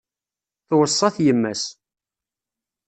Tweṣṣa-t yemma-s.